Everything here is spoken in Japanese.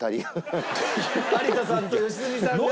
有田さんと良純さんが。